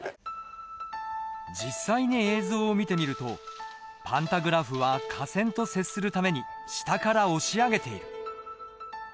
実際に映像を見てみるとパンタグラフは架線と接するために下から押し上げている。